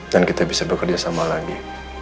dan kita bisa bekerja sama lagi